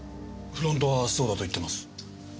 フロントはそうだと言ってます。